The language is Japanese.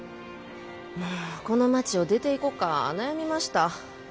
もうこの町を出ていこか悩みました。